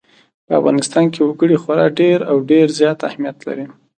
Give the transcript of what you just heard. په افغانستان کې وګړي خورا ډېر او ډېر زیات اهمیت لري.